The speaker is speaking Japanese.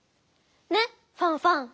ねファンファン。